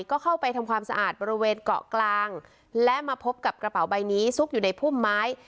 ก็เข้าไปทำความสะอาดบริเวณเกาะกลางและมาพบกับกระเป๋าใบนี้ซุกอยู่ในพุ่มไม้